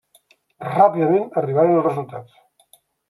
Ràpidament arribaren els resultats.